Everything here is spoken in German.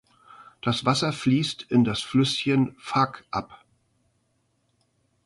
Das Wasser fließt in das Flüsschen Phak ab.